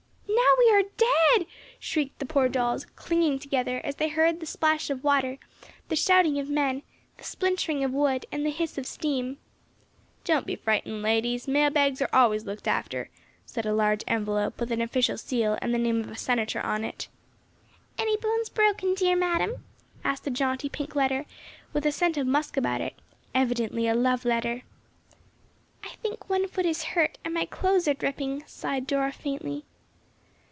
"Now we are dead!" shrieked the poor dolls, clinging together as they heard the splash of water, the shouting of men, the splintering of wood, and the hiss of steam. "Don't be frightened, ladies, mail bags are always looked after," said a large envelope with an official seal and the name of a Senator on it. "Any bones broken, dear madam?" asked a jaunty pink letter, with a scent of musk about it, evidently a love letter. "I think one foot is hurt, and my clothes are dripping," sighed Dora, faintly.